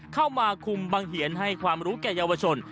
เข้ามาคุมบังเหียนให้ความรู้แก่เยาวชน